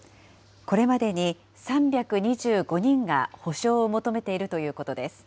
これまでに３２５人が補償を求めているということです。